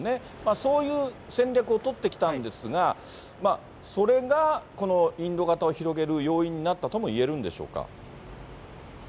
そういう戦略を取ってきたんですが、それがこのインド型を広げる要因になったともいえるんでしょうか。